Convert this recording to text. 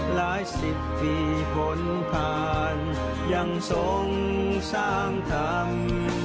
หลายสิบปีผลผ่านยังทรงสร้างธรรม